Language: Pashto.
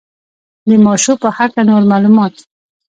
د ماشو په هکله نور معلومات.